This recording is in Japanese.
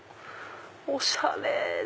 おしゃれ！